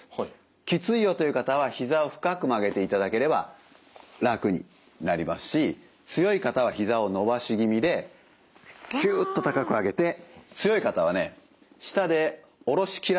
きついよという方はひざを深く曲げていただければ楽になりますし強い方はひざを伸ばし気味できゅっと高く上げて強い方はね下で下ろしきらなくても結構です。